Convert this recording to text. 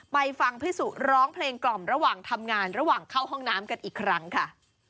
ไปฟังพี่สุร้องเพลงกล่อมระหว่างทำงานระหว่างเข้าห้องน้ำกันอีกครั้งค่ะ